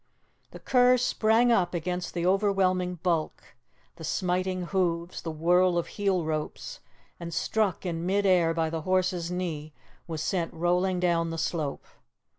The cur sprang up against the overwhelming bulk, the smiting hoofs, the whirl of heel ropes, and struck in mid air by the horse's knee, was sent rolling down the slope.